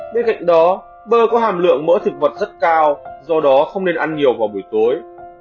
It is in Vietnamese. bên cạnh đó bơ có hàm lượng mỡ thực vật rất cao do đó không nên ăn nhiều vào buổi tối